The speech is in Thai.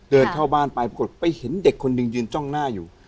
เดินเข้าบ้านไปปรากฏไปเห็นเด็กคนหนึ่งยืนจ้องหน้าอยู่